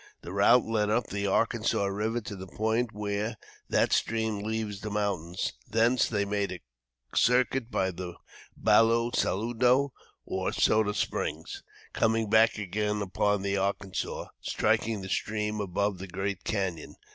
The route led up the Arkansas River to the point where that stream leaves the mountains; thence they made a circuit by the Ballo Salado, or Soda Springs, coming back again upon the Arkansas, striking the stream above its great cañon.